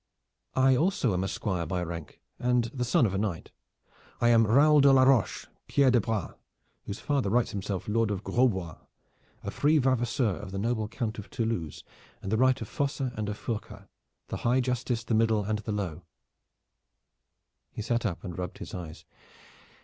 "I also am a squire by rank and the son of a knight. I am Raoul de la Roche Pierre de Bras, whose father writes himself Lord of Grosbois, a free vavasor of the noble Count of Toulouse, with the right of fossa and of furca, the high justice, the middle and the low." He sat up and rubbed his eyes.